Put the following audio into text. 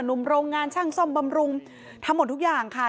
หนุ่มโรงงานช่างซ่อมบำรุงทำหมดทุกอย่างค่ะ